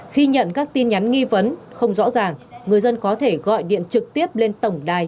khi nhận các tin nhắn nghi vấn không rõ ràng người dân có thể gọi điện trực tiếp lên tổng đài